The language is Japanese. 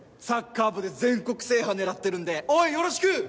サッカー部で全国制覇狙ってるんで応援よろしく！